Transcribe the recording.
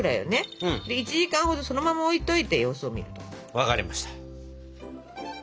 分かりました。